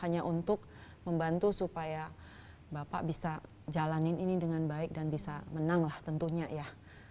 hanya untuk membantu supaya bapak bisa jalanin ini dengan baik dan bisa menang lah tentunya ya